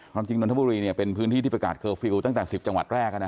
จริงนนทบุรีเป็นพื้นที่ที่ประกาศเคอร์ฟิลล์ตั้งแต่๑๐จังหวัดแรก